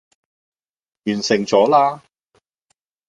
完成咗啦